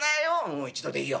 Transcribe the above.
「うん一度でいいよ。